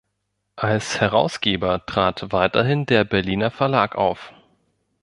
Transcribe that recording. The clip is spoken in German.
Als Herausgeber trat weiterhin der Berliner Verlag auf.